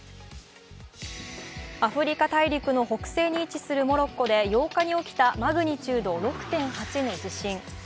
アフリカ大陸の北西に位置するモロッコで８日に起きたマグニチュード６．８の地震。